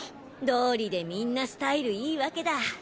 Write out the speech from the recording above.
どりでみんなスタイルいいわけだ。